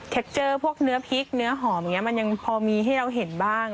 เจอพวกเนื้อพริกเนื้อหอมอย่างนี้มันยังพอมีให้เราเห็นบ้าง